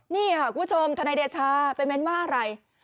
นี่ค่ะคุณผู้ชมทนายเดชาไปเม้นว่าอะไร